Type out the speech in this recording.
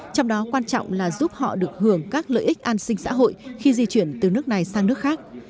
trong đó quan trọng là giúp họ được hưởng các lợi ích an sinh xã hội khi di chuyển từ nước này sang nước khác